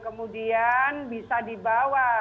kemudian bisa dibawa